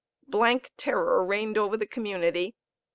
Blank terror reigned over the community.